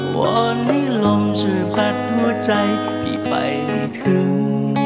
ว่าในลมเชื้อผัดหัวใจพี่ไปได้ถึง